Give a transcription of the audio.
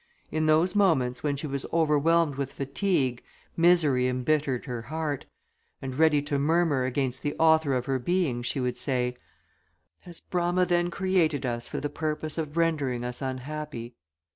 In those moments, when she was overwhelmed with fatigue, misery embittered her heart; and, ready to murmur against the Author of her being, she would say, "Has Brama then created us for the purpose of rendering us unhappy?"